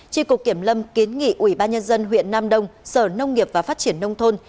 tri cục kiểm lâm kiến nghị ủy ban nhân dân huyện nam đông sở nông nghiệp và phát triển nông thôn